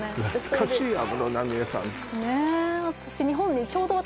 「懐かしい安室奈美恵さん」ねえああ